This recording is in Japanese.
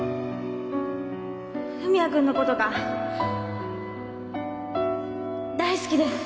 文也君のことが大好きです。